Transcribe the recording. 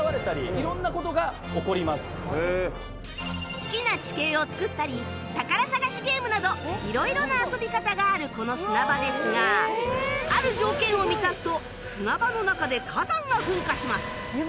好きな地形を作ったり宝探しゲームなど色々な遊び方があるこの砂場ですがある条件を満たすと砂場の中で火山が噴火します